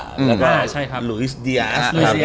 แล้วก็ลูอิสเดียส